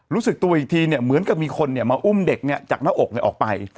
รู้สึกตัวอีกทีเนี่ยเหมือนกับมีคนเนี่ยมาอุ้มเด็กเนี่ยจากหน้าอกเนี่ยออกไป